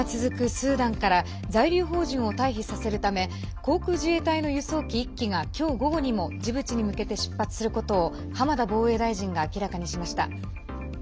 スーダンから在留邦人を退避させるため航空自衛隊の輸送機１機が今日午後にもジブチに向けて出発することを浜田防衛大臣が明らかにしました。